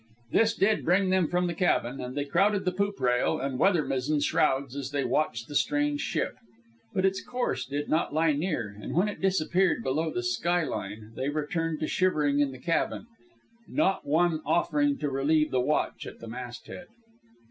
This did bring them from the cabin, and they crowded the poop rail and weather mizzen shrouds as they watched the strange ship. But its course did not lie near, and when it disappeared below the skyline, they returned shivering to the cabin, not one offering to relieve the watch at the mast head.